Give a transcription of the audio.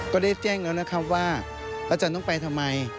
ก็ได้แจ้งแล้วนะครับว่าอาจารย์ต้องไปทำไม